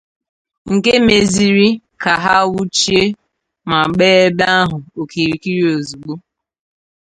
nke mezịrị ka ha wụchie ma gbaa ebe ahụ okirikiri ozigbo